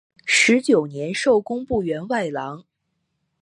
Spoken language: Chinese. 十九年授工部员外郎。